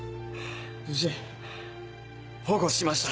無事保護しました。